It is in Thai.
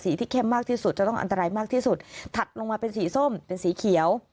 ที่เข้มมากที่สุดจะต้องอันตรายมากที่สุดถัดลงมาเป็นสีส้มเป็นสีเขียว